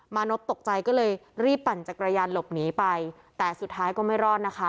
นพตกใจก็เลยรีบปั่นจักรยานหลบหนีไปแต่สุดท้ายก็ไม่รอดนะคะ